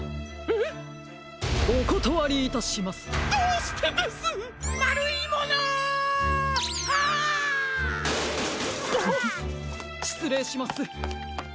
しつれいします！